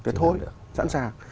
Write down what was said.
thế thôi sẵn sàng